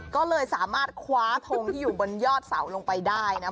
ก็เลยสามารถคว้าทงที่อยู่บนยอดเสาลงไปได้นะ